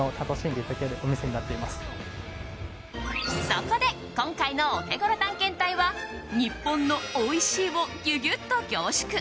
そこで今回のオテゴロ探検隊は日本のおいしいをぎゅぎゅっと凝縮。